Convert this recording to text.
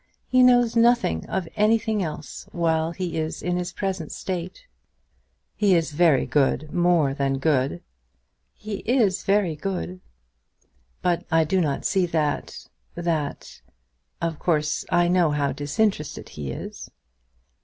He knows nothing of anything else while he is in his present state." "He is very good; more than good." "He is very good." "But I do not see that; that Of course I know how disinterested he is."